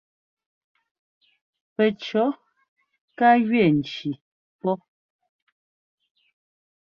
Pɛcʉ̈ ká jʉɛ ŋcí pɔ́.